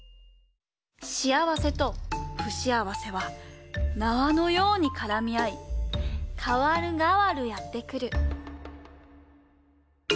しあわせとふしあわせは縄のようにからみあいかわるがわるやってくる。